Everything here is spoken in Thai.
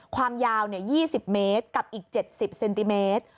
ความยาว๒๐เมตรกับอีก๗๐เซนติเมตร